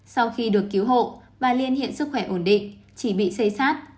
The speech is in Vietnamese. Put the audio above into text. sau khi được cứu hộ bà liên hiện sức khỏe ổn định chỉ bị xây sát